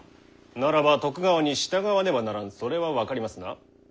ならば徳川に従わねばならんそれは分かりますな？